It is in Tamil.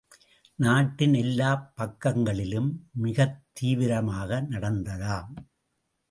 நாட்டின் எல்லாப் பக்கங்களிலும் மிகத் தீவிரமாக நடந்ததாம்.